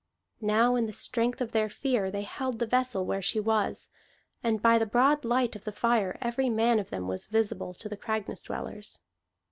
Now in the strength of their fear they held the vessel where she was; and by the broad light of the fire every man of them was visible to the Cragness dwellers.